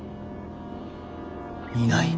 いない？